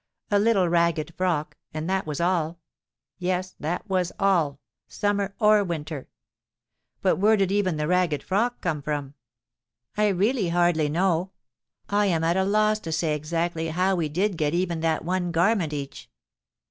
A little ragged frock, and that was all: yes, that was all—summer or winter! But where did even the ragged frock come from? I really hardly know: I am at a loss to say exactly how we did get even that one garment each.